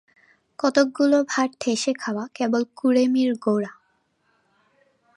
কতকগুলো ভাত ঠেসে খাওয়া কেবল কুঁড়েমির গোড়া।